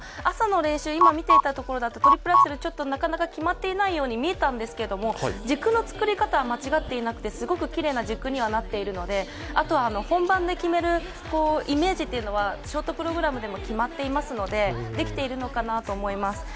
朝の練習、今見ていたところだとトリプルアクセルがなかなか決まっていないように見えたんですが軸の作り方は間違っていなくてすごくきれいな軸になっているのであとは本番で決めるイメージというのは、ショートプログラムでも決まっていますのでできているのかなと思います。